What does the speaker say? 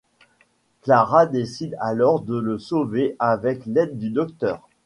Clara décide alors de le sauver avec l'aide du Docteur.